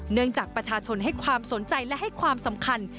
เนื่องจากประชาชนให้ความสนใจและให้ความสำคัญ